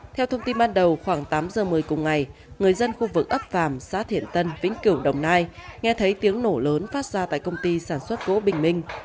theo thông tin ban đầu khoảng tám giờ một mươi cùng ngày người dân khu vực ấp vàm xã thiện tân vĩnh cửu đồng nai nghe thấy tiếng nổ lớn phát ra tại công ty sản xuất gỗ bình minh